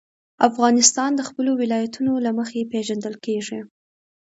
افغانستان د خپلو ولایتونو له مخې پېژندل کېږي.